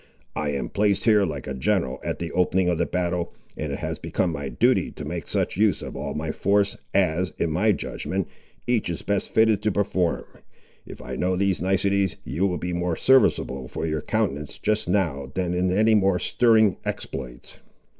I am placed here, like a general at the opening of the battle, and it has become my duty to make such use of all my force as, in my judgment, each is best fitted to perform. If I know these niceties, you will be more serviceable for your countenance just now than in any more stirring exploits."